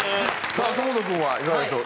さあ京本君はいかがでしょう？